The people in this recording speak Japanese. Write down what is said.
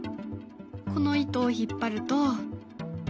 この糸を引っ張ると。